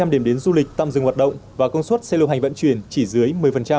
một trăm linh điểm đến du lịch tạm dừng hoạt động và công suất xe lưu hành vận chuyển chỉ dưới một mươi